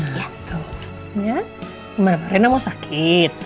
ya kemarin reina mau sakit